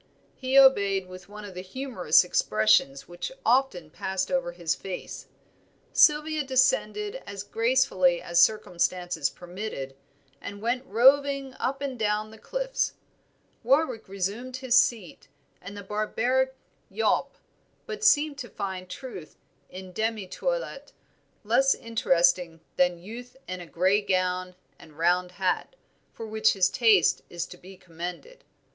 He obeyed with one of the humorous expressions which often passed over his face. Sylvia descended as gracefully as circumstances permitted, and went roving up and down the cliffs. Warwick resumed his seat and the "barbaric yawp," but seemed to find Truth in demi toilet less interesting than Youth in a gray gown and round hat, for which his taste is to be commended.